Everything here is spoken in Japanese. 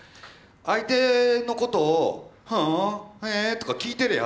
相手のことを「ふんへえ」とか聞いてりゃあ